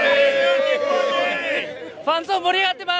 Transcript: ファンゾーン盛り上がってます。